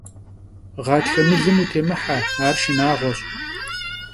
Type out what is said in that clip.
Ğatxe mılım vutêmıhe, ar şşınağueş.